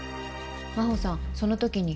真帆さんその時に。